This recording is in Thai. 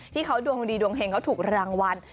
ที่เขาดวงดีดวงเฮงเขาถูกรางวัล